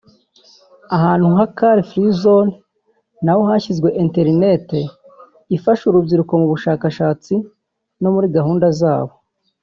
Ahantu nka Car Free Zone naho hashyizwe internet ifasha urubyiruko mu bushakashatsi no muri gahunda zabo